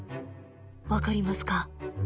分かりますか？